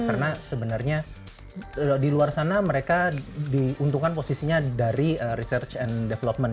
karena sebenarnya di luar sana mereka diuntungkan posisinya dari research and development